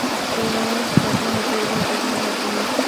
কোনো হতাহতের ঘটনা ঘটেনি।